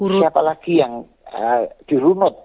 siapa lagi yang di runut